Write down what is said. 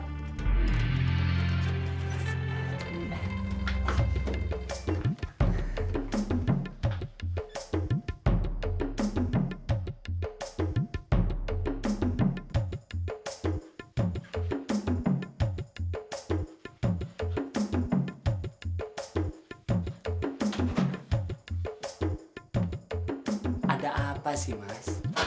tidak ada apa sih mas